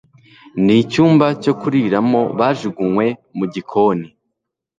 Nicyumba cyo kuriramobajugunywe mu gikoni